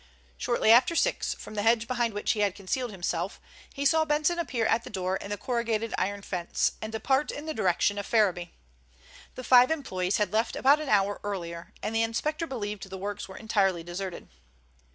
Shortly after six, from the hedge behind which he had concealed himself, he saw Benson appear at the door in the corrugated iron fence, and depart in the direction of Ferriby. The five employees had left about an hour earlier, and the inspector believed the works were entirely deserted.